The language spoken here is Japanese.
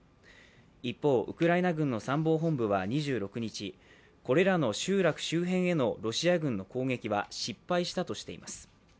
一方、ウクライナ軍の参謀本部は２６日、これらの集落周辺へのロシア軍の攻撃は失敗したとしています。